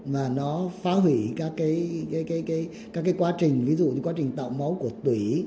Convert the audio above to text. và nó phá hủy các cái quá trình ví dụ như quá trình tạo máu của tủy